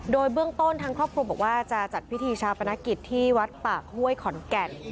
โดยเบื้องต้นทางครอบครัวบอกว่าจะจัดพิธีชาปนกิจที่วัดปากห้วยขอนแก่น